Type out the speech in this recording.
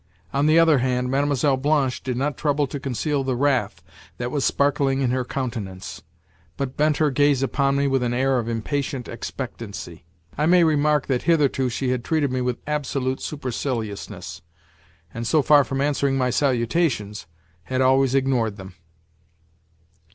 On the other hand, Mlle. Blanche did not trouble to conceal the wrath that was sparkling in her countenance, but bent her gaze upon me with an air of impatient expectancy. I may remark that hitherto she had treated me with absolute superciliousness, and, so far from answering my salutations, had always ignored them.